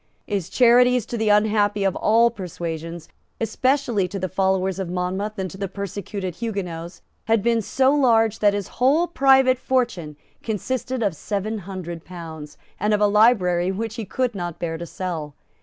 His charities to the unhappy of all persuasions, especially to the followers of Monmouth and to the persecuted Huguenots, had been so large that his whole private fortune consisted of seven hundred pounds, and of a library which he could not bear to sell.